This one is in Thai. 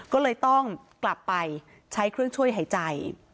ก็เลยต้องกลับไปใช้เครื่องช่วยหายใจ